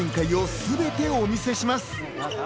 すべてをお見せします。